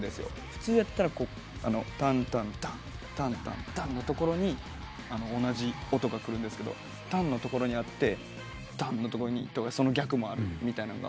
普通やったら「タンタンタンタンタンタン」のところに同じ音がくるんですけど「タン」のところにあって「タン」のところにとかその逆もあるみたいなんが。